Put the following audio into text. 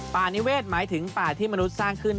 นิเวศหมายถึงป่าที่มนุษย์สร้างขึ้น